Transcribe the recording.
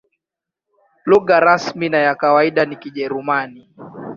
Lugha rasmi na ya kawaida ni Kijerumani.